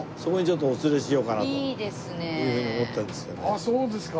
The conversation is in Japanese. あっそうですか。